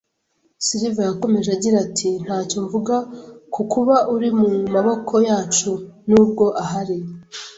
Silver yakomeje agira ati: “Nta cyo mvuga ku kuba uri mu maboko yacu, nubwo ahari